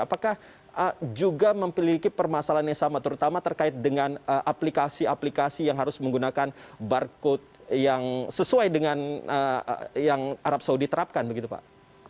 apakah juga memiliki permasalahan yang sama terutama terkait dengan aplikasi aplikasi yang harus menggunakan barcode yang sesuai dengan yang arab saudi terapkan begitu pak